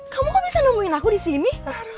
kamu kok bisa nemuin aku disini